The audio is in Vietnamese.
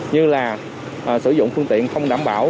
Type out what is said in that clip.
như là sử dụng phương tiện không đảm bảo